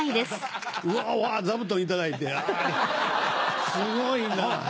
すごいな。